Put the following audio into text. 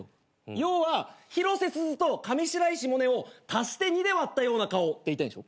要は広瀬すずと上白石萌音を足して２で割ったような顔って言いたいんでしょ？